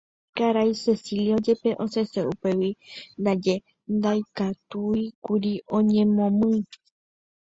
Karai Cecilio jepe osẽse upégui ndaje ndaikatúikuri oñemomýi.